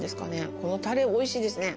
このたれおいしいですね。